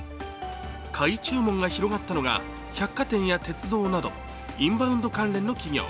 買い注文が広がったのが百貨店や鉄道などインバウンド関連の企業。